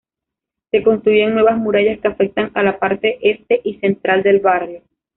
Se construyen nuevas murallas, que afectan a la parte este y central del barrio.